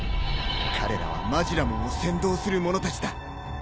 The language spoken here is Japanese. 彼らはマジラモンを先導する者たちだ。